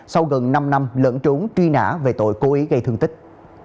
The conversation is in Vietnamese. sau gần năm năm lẫn trốn truy nã về tội cố ý gây thương tích